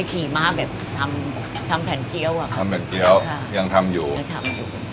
ทำแผ่นเกี้ยวอะครับทำแผ่นเกี้ยวยังทำอยู่ไม่ทำอยู่